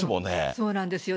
そうなんですよ。